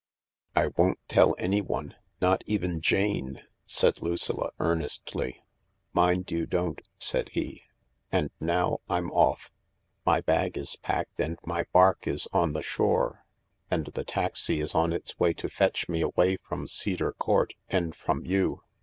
" I won't tell anyone— not even Jane," said Lucilla earnestly. "Mind you don't," said he. "And now I'm off. My bag is packed, and my bark is on the shore, and the taxi is on its way to fetch me away from Cedar Court and from you.